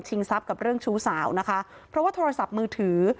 ทรัพย์กับเรื่องชู้สาวนะคะเพราะว่าโทรศัพท์มือถือ